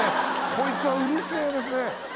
こいつはうるせえですね。